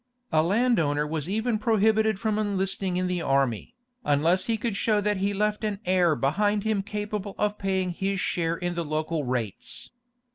A landowner was even prohibited from enlisting in the army, unless he could show that he left an heir behind him capable of paying his share in the local rates.